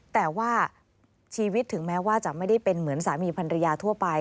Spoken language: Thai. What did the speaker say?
แต่ว่าชีวิตถึงแม้ว่าจะไม่ได้เป็นเหมือนสามีพันรยาทั่วไป